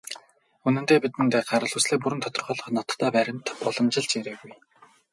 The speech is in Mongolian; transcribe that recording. Үнэндээ, бидэнд гарал үүслээ бүрэн тодорхойлох ноттой баримт уламжилж ирээгүй.